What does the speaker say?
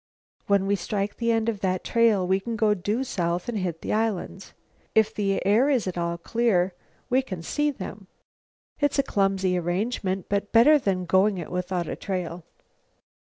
When we strike the end of that trail we can go due south and hit the islands. If the air is at all clear, we can see them. It's a clumsy arrangement, but better than going it without a trail."